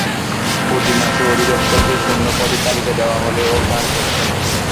প্রতি মাসে অধিদপ্তরকে শূন্য পদের তালিকা দেওয়া হলেও কাজ হচ্ছে না।